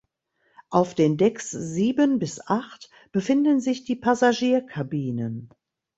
Auf den Decks sieben bis acht befinden sich die Passagierkabinen.